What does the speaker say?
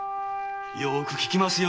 よく効きますよ。